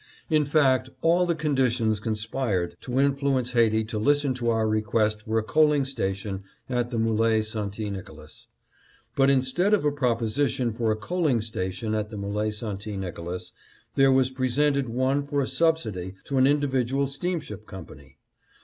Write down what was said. In fact, all the conditions conspired to influence Haiti to listen to our request for a coaling station at the M61e St. Nicolas. But instead of a proposition for a coaling station at the M61e St. Nicolas, there was presented one for a subsidy to an in dividual steamship company.